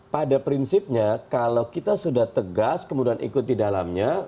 pada prinsipnya kalau kita sudah tegas kemudian ikut di dalamnya